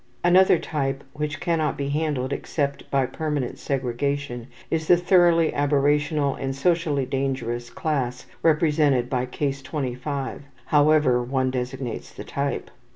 Another type which cannot be handled except by permanent segregation is the thoroughly aberrational and socially dangerous class represented by Case 25, however one designates the type.